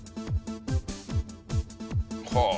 はあ。